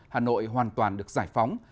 hà nội hoàn toàn được giải phóng